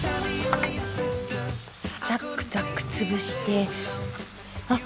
ザックザック潰してあっ！